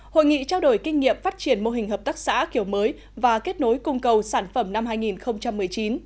hội nghị trao đổi kinh nghiệm phát triển mô hình hợp tác xã kiểu mới và kết nối cung cầu sản phẩm năm hai nghìn một mươi chín